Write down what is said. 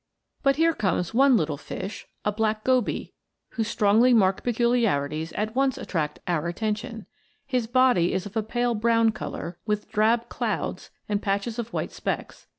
But here comes one little fish whose strongly marked peculiarities at once attract our attention. His body is of a pale brown colour, with drab clouds, and patches of white specks.